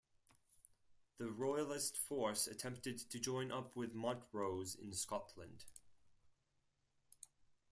The Royalist force attempted to join up with Montrose in Scotland.